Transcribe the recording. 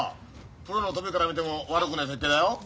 プロのトビから見ても悪くねえ設計だよ。ホンマですか！？